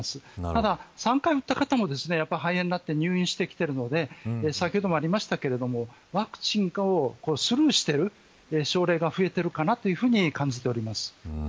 ただ３回打った方も肺炎になって入院してきているので先ほどもありましたがワクチンをスルーしている症例が増えているかなと感じております。